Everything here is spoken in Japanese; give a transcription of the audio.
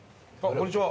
こんにちは。